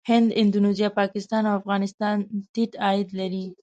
هند، اندونیزیا، پاکستان او افغانستان ټيټ عاید لري.